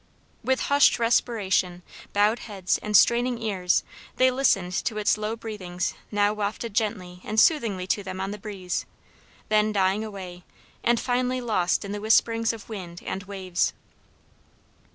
With hushed respiration, bowed heads, and straining ears, they listened to its low breathings now wafted gently and soothingly to them on the breeze, then dying away, and finally lost in the whisperings of wind and waves.